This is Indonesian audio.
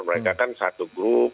mereka kan satu grup